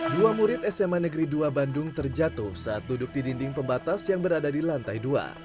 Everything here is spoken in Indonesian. dua murid sma negeri dua bandung terjatuh saat duduk di dinding pembatas yang berada di lantai dua